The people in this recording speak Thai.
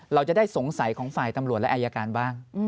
เราจะได้สงสัยของฝ่ายตำรวจและอายการบ้าง